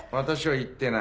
言ってない。